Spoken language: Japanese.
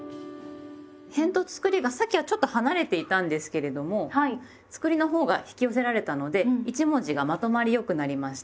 へんとつくりがさっきはちょっと離れていたんですけれどもつくりのほうが引き寄せられたので一文字がまとまり良くなりました。